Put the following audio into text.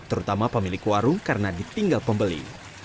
terutama pemilik warung karena ditinggal pembeli